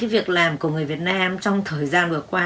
việc làm của người việt nam trong thời gian vừa qua